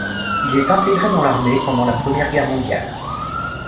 Il est intégré dans l’armée pendant la Première Guerre mondiale.